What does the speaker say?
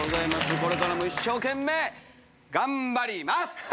これからも一生懸命頑張ります！